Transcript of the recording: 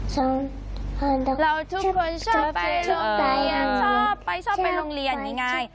ชอบไปชอบไปโรงเรียนง่าย